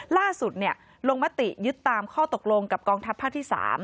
ล่าสุดลงมติยึดตามข้อตกลงกับกองทัพภาคที่๓